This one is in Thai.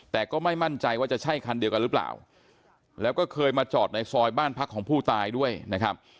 แต่ก็ไม่มั่นใจว่าจะใช่คันเดียวกันหรือเปล่าแล้วก็เคยมาจอดในซอยบ้านพักของผู้ตายด้วยนะครับ